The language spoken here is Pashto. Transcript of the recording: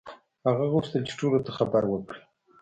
هغه غوښتل چې ټولو ته خبر وکړي.